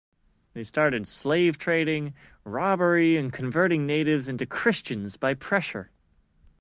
They started slave trading, robbery and converting natives into Christians by pressure.